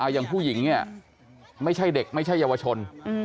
อย่างผู้หญิงเนี่ยไม่ใช่เด็กไม่ใช่เยาวชน